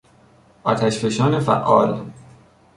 آتشفشان فعال